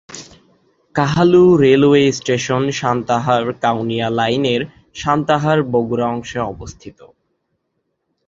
Kahalu railway station সান্তাহার-কাউনিয়া লাইনের সান্তাহার-বগুড়া অংশে অবস্থিত।